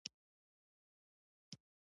• د سهار سړه هوا بدن ته سکون ورکوي.